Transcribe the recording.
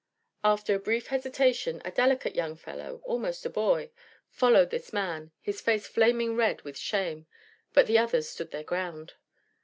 After a brief hesitation a delicate young fellow almost a boy followed this man, his face flaming red with shame. But the others stood their ground.